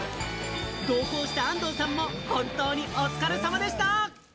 同行した安藤さんも本当にお疲れ様でした。